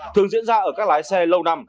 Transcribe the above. thường diễn ra ở các lái xe lâu năm